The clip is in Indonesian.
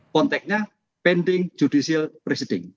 konteknya pending judicial presiding